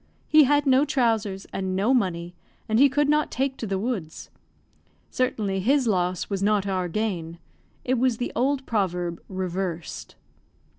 He had no trousers, and no money, and he could not take to the woods. Certainly his loss was not our gain. It was the old proverb reversed.